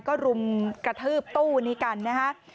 ก็รุมกระทืบตู้นี้กันนะฮะ